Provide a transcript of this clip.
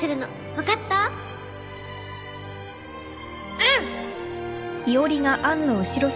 うん！